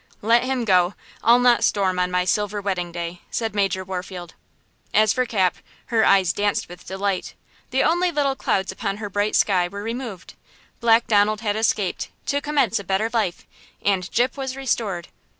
"Let him go! I'll not storm on my silver wedding day," said Major Warfield. As for Cap, her eyes danced with delight–the only little clouds upon her bright sky were removed. Black Donald had escaped, to commence a better life, and Gyp was restored!